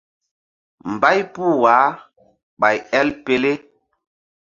Mbay puh wah ɓay el pele.